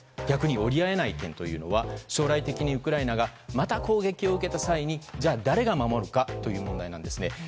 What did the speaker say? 逆に折り合えない点というのは将来的にウクライナがまた攻撃を受けた際に誰が守るかという問題なんですね。